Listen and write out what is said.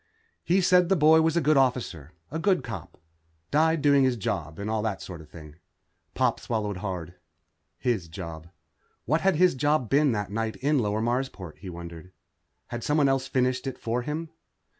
He'd said the boy was a good officer. A good cop. Died doing his job, and all that sort of thing. Pop swallowed hard. His job. What had 'his job' been that night in Lower Marsport, he wondered. Had someone else finished it for him?